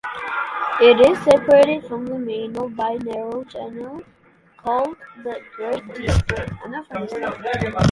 It is separated from the mainland by a narrow channel called the Great Deep.